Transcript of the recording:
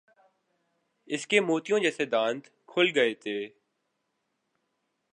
اس کے موتیوں جیسے دانت کھل گئے تھے۔